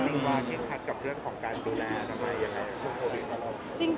ว่าเข้งคัดกับเรื่องของการดูแลตัวหมายแห่งที่ทำช่วยโควิดครั้งโน้ม